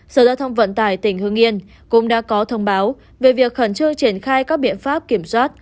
sở giao thông vận tải tỉnh hương yên cũng đã có thông báo về việc khẩn trương triển khai các biện pháp kiểm soát